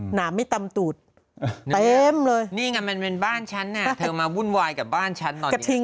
หนาไม่ตำตูดเต็มเลยนี่ไงมันเป็นบ้านฉันน่ะเธอมาวุ่นวายกับบ้านฉันตอนนี้